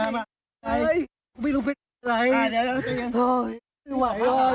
มามาเฮ้ยไม่รู้เป็นอะไรอ่ะเดี๋ยวอ่ะไม่ไหวอ่ะ